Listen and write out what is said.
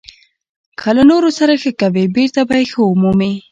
• که له نورو سره ښه کوې، بېرته به یې ښه ومومې.